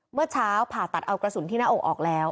เมื่อเช้าผ่าตัดเอากระสุนที่หน้าอกออกแล้ว